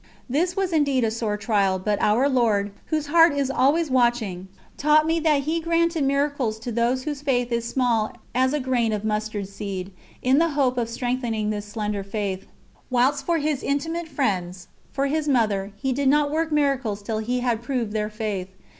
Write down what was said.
This was indeed a sore trial, but Our Lord, Whose Heart is always watching, taught me that He granted miracles to those whose faith is small as a grain of mustard seed, in the hope of strengthening this slender faith; whilst for His intimate friends, for His Mother, He did not work miracles till He had proved their faith.